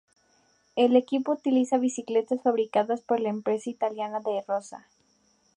El equipo utiliza bicicletas fabricadas por la empresa italiana De Rosa.